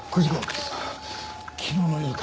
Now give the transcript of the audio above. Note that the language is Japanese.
昨日の夜か。